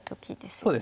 そうですね。